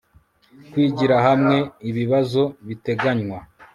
Kwigira hamwe ibibazo biteganywa